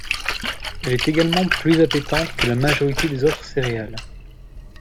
Elle est également plus appétante que la majorité des autres céréales.